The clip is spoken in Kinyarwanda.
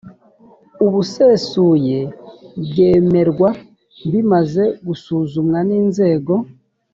ubusesuye bwemerwa bimaze gusuzumwa ninzego.